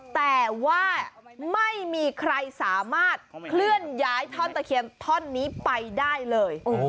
แต่ว่าไม่มีใครสามารถเคลื่อนย้ายท่อนตะเคียนท่อนนี้ไปได้เลย